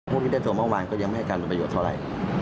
พวกนี้ได้ส่วนเมื่อวานก็ยังไม่ให้การเป็นประโยชน์เท่าไร